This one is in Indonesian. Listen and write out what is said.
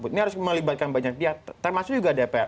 ini harus melibatkan banyak pihak termasuk juga dpr